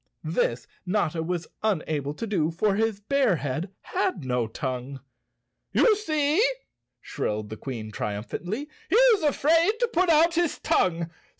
This Notta was unable to do, for his bear head had no tongue. "You see!" shrilled the Queen triumphantly, "he is afraid to put out his tongue.